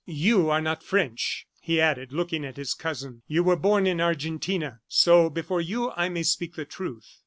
"You are not French," he added looking at his cousin. "You were born in Argentina, so before you I may speak the truth."